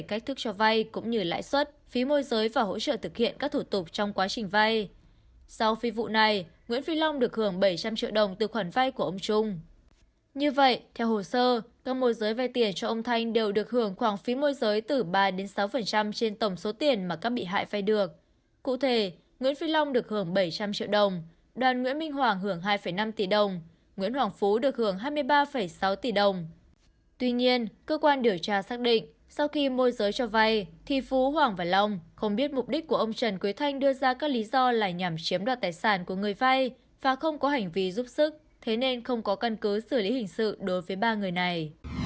cơ quan điều tra xác định sau khi môi giới cho vay thì phú hoàng và long không biết mục đích của ông trần quý thanh đưa ra các lý do lại nhằm chiếm đoạt tài sản của người vay và không có hành vi giúp sức thế nên không có căn cứ xử lý hình sự đối với ba người này